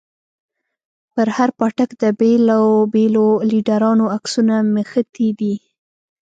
پر هر پاټک د بېلو بېلو ليډرانو عکسونه مښتي دي.